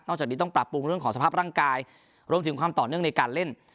จากนี้ต้องปรับปรุงเรื่องของสภาพร่างกายรวมถึงความต่อเนื่องในการเล่น